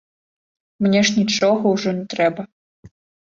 Мне ж нічога ўжо не трэба.